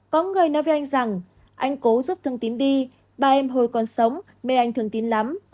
có người nói với anh rằng anh cố giúp thương tín đi ba em hồi còn sống mê anh thường tín lắm